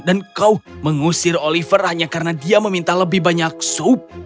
dan kau mengusir oliver hanya karena dia meminta lebih banyak sup